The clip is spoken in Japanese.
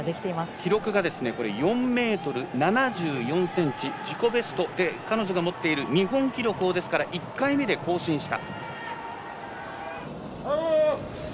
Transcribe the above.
記録は４ｍ７４ｃｍ自己ベストで彼女が持っている日本記録を１回目で更新した。